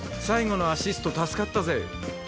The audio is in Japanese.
最後のアシスト助かったぜ！